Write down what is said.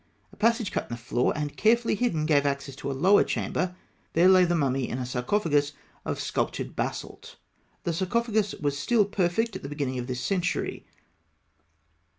A passage cut in the floor, and carefully hidden, gave access to a lower chamber. There lay the mummy in a sarcophagus of sculptured basalt. The sarcophagus was still perfect at the beginning of this century.